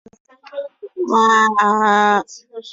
林石草属为植物界之一植物属。